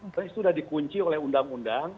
karena sudah dikunci oleh undang undang